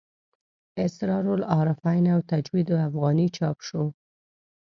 اسرار العارفین او تجوید الافغاني چاپ شو.